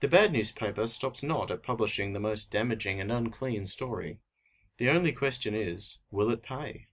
The bad newspaper stops not at publishing the most damaging and unclean story. The only question is: "Will it pay?"